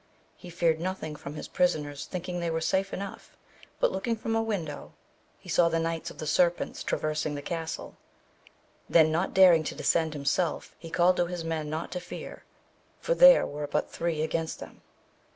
He feared nothing from his prisoners thinking they were safe enough, but looking &om a window he VOL. n. 1^ 226 AMADIS OF GAUL. saw the Knights of the Serpents traversing the castle; then not daring to descend himself, he called to his men not to fear, for there were but three against them.